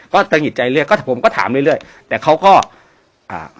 ก็สะหิดใจเรื่อยก็ผมก็ถามเรื่อยเรื่อยแต่เขาก็อ่า